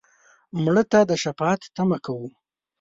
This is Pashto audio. مړه ته د شفاعت تمه کوو